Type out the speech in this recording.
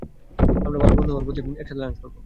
আমরা ভাল বন্ধু হওয়ার পরেই একসাথে লাঞ্চ করব!